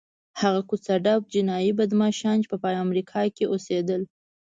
هغه کوڅه ډب جنایي بدماشان چې په امریکا کې اوسېدل.